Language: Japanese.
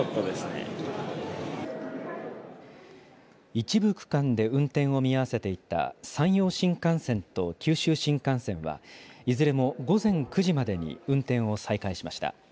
一部区間で運転を見合わせていた山陽新幹線と九州新幹線は、いずれも午前９時までに運転を再開しました。